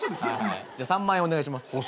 じゃ３万円お願いします。